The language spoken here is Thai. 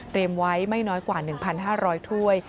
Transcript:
เตรียมไว้ไม่น้อยกว่า๑๕๐๐ถ้วย